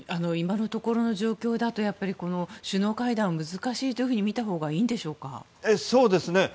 今の状況だと首脳会談は難しいというふうにみたほうがいいんでしょうか。